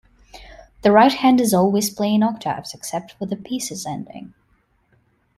The right hand is always playing octaves except for the piece's ending.